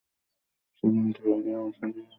সেদিন সে গ্রাম ছাড়িয়া চলিয়া যাইবার কথা বলিয়াছিল।